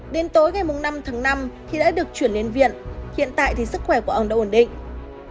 đến tối ngày năm tháng năm khi đã được chuyển đến viện hiện tại thì sức khỏe của ông đã ổn định